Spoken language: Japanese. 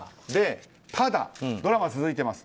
ただ、ドラマは続いています。